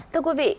thưa quý vị